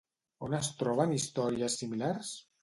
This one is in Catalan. On es troben històries similars?